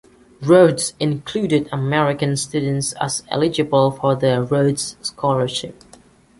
Rhodes included American students as eligible for the Rhodes scholarships.